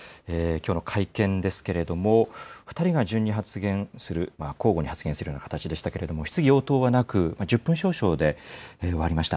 きょうの会見ですけれども、２人が順に発言する、交互に発言するような形でしたけれども、質疑応答はなく、１０分少々で終わりました。